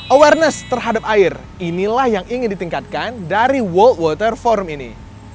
awareness terhadap air inilah yang ingin ditingkatkan dari world water forum ini